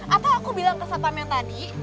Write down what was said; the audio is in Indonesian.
atau aku bilang ke sapam yang tadi